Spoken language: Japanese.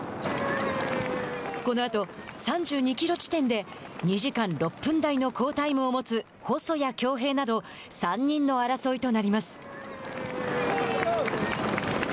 このあと、３２キロ地点で２時間６分台の好タイムを持つ細谷恭平など３人の争いとなります。